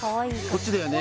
こっちだよね？